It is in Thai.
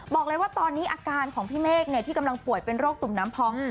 บอกเลยว่าตอนนี้อาการของพี่เมฆที่กำลังป่วยเป็นโรคตุ่มน้ำพอง